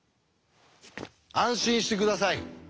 安心して下さい。